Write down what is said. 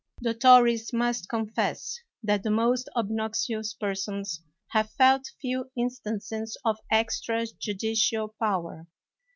The Tories must confess that the most obnoxious persons have felt few in stances of extra judicial power.